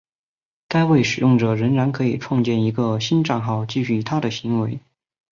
该位使用者仍然可以创建一个新帐号继续他的行为。